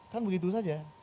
kan begitu saja